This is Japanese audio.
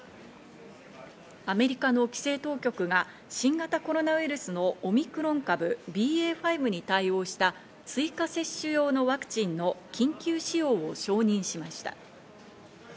アメリカの規制当局が新型コロナウイルスのオミクロン株、ＢＡ．５に対応した追加接種用のワクチンの緊急使用を承認しました。